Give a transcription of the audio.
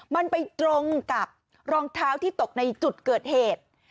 มันไปตรงกับรองเท้าที่ตกในจุดเกิดเหตุ